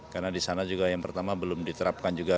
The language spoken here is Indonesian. karena di sana juga yang pertama belum diterapkan juga